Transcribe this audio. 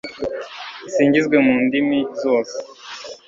isingizwe mu ndimi zose